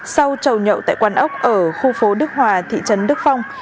sau trầu nhậu tại quán ốc ở khu phố đức hòa thị trấn đức phong